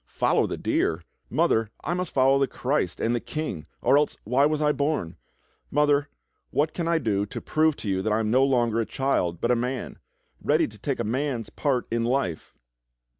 "Follow the deer! Mother, I must follow the Christ and the King, or else why w^as I born.? Mother, what can I do to prove to you that I am no longer a child but a man, ready to take a man's part in life?"